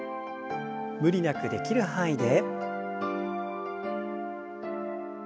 無理なくできる範囲で。